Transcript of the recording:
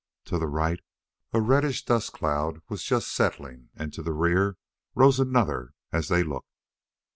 To the right a reddish dust cloud was just settling, and to the rear rose another as they looked.